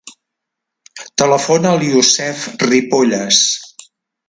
Telefona al Yousef Ripolles.